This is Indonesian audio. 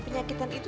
terima kasih bu